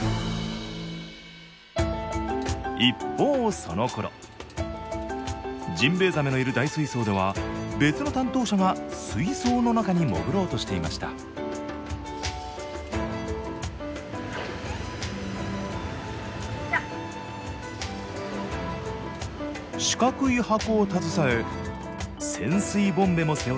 一方そのころジンベエザメのいる大水槽では別の担当者が水槽の中に潜ろうとしていました四角い箱を携え潜水ボンベも背負っています